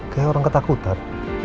kayak orang ketakutan